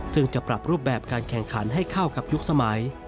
ซึ่งจะปรับรูปแบบการแข่งขันให้เข้ากับยุคสมัย